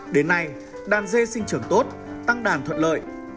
đến nay đàn dê sinh trưởng tốt tăng đàn thuận lợi